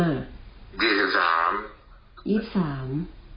อืม